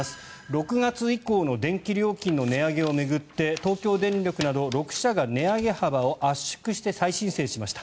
６月以降の電気料金の値上げを巡って東京電力など６社が値上げ幅を圧縮して再申請しました。